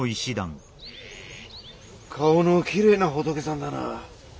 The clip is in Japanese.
顔のきれいな仏さんだな。